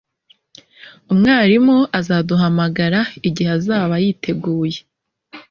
Umwarimu azaduhamagara igihe azaba yiteguye